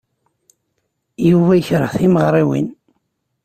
Yuba yekṛeh timeɣriwin.